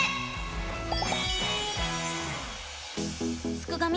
すくがミ！